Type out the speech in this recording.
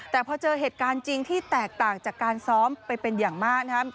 แต่พอเจอเหตุการณ์จริงที่แตกต่างจากการซ้อมไปเป็นอย่างมากนะครับ